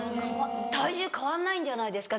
体重変わんないんじゃないですか？